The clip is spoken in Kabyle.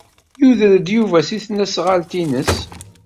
Yuder-d Yuba seg tesnasɣalt-nnes.